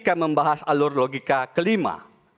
dan membahas alur logika kelima